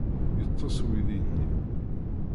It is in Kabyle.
Yeṭṭes uydi-ni.